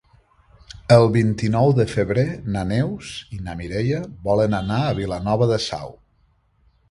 El vint-i-nou de febrer na Neus i na Mireia volen anar a Vilanova de Sau.